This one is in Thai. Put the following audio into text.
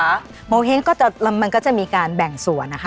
โงเห้งมันก็จะมีการแบ่งส่วนนะคะ